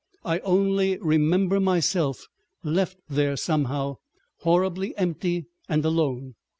I only remember myself left there somehow—horribly empty and alone.